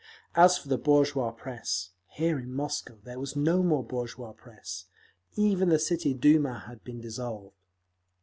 As for the bourgeois press, here in Moscow there was no more bourgeois press; even the City Duma had been dissolved.